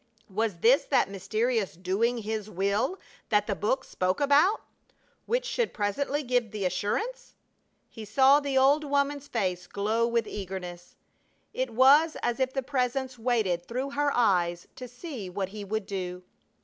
Was this that mysterious "doing His will" that the Book spoke about, which should presently give the assurance? He saw the old woman's face glow with eagerness. It was as if the Presence waited through her eyes to see what he would do.